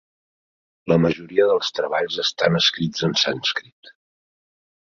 La majoria dels treballs estan escrits en sànscrit.